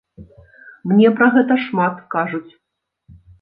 Мне пра гэта шмат кажуць.